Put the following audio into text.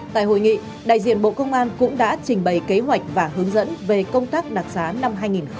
tại hội nghị đại diện bộ công an cũng đã trình bày kế hoạch và hướng dẫn về công tác đặc sá năm hai nghìn hai mươi bốn